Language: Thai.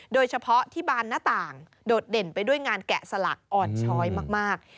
โดยเฉพาะที่บานหน้าต่างโดดเด่นไปด้วยงานแกะสลักอ่อนช้อยมาก